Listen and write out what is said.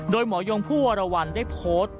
โดยหมอยงผู้วรวรรณได้โพสต์